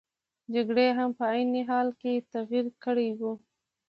جګړې هم په عین حال کې تغیر کړی وو.